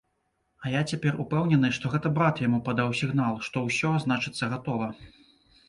А я цяпер упэўнены, што гэта брат яму падаў сігнал, што ўсё, значыцца, гатова.